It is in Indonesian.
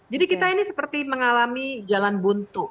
jadi kita ini seperti mengalami jalan buntu